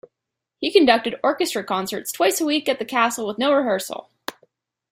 He conducted orchestra concerts twice a week at the castle with no rehearsal.